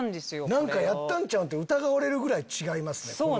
何かやったんちゃう？って疑われるぐらい違いますね。